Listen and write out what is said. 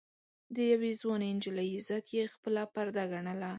د يوې ځوانې نجلۍ عزت يې خپله پرده ګڼله.